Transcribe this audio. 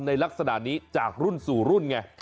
ในลักษณะนี้จากรุ่นสู่รุ่นไง